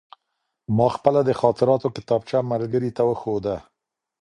ما خپله د خاطراتو کتابچه ملګري ته وښوده.